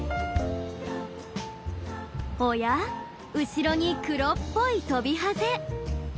後ろに黒っぽいトビハゼ。